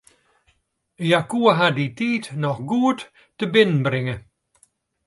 Hja koe har dy tiid noch goed tebinnenbringe.